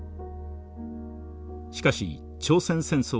しかし朝鮮戦争が勃発。